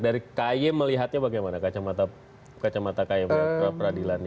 dari ky melihatnya bagaimana kacamata ky pra peradilan